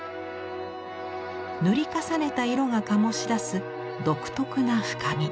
塗り重ねた色が醸し出す独特な深み。